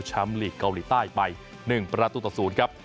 ช้ำลีกเกาหลีใต้ไป๑ประตูตะสูนครับ